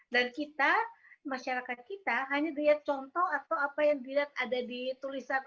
kita masyarakat kita hanya dilihat contoh atau apa yang dilihat ada di tulisan